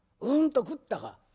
うんと食ったか？」。